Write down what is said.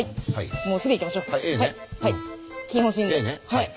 はい。